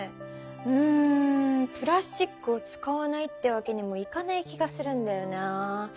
うんプラスチックを使わないってわけにもいかない気がするんだよな。